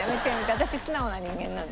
私素直な人間なんで。